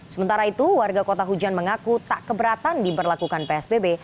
sementara itu warga kota hujan mengaku tak keberatan diberlakukan psbb